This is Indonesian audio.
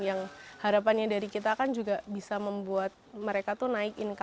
yang harapannya dari kita kan juga bisa membuat mereka tuh naik income nya kayak gitu gitu kan